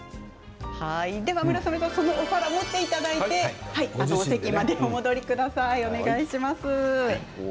村雨さん、そのお皿を持っていただいてお席までお戻りください。